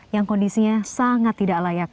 yang kondisinya sangat tidak layak